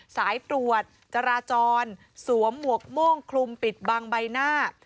สายตรวจจราจรสวมหมวกโม่งคลุมปิดบังใบหน้า